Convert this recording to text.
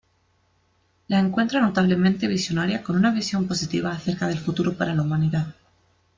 La encuentra notablemente visionaria con una visión positiva acerca del futuro para la humanidad.